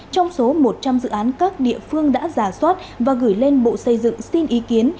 trong số một trăm linh dự án các địa phương đã giả soát và gửi lên bộ xây dựng xin ý kiến